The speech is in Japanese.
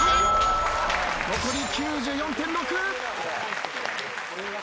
残り９４．６。